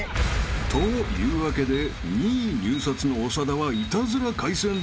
［というわけで２位入札の長田はイタズラ海鮮丼決定］